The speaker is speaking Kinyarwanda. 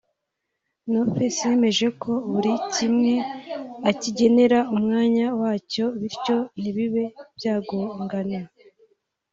No Face yemeje ko buri kimwe akigenera umwanya wacyo bityo ntibibe byagongana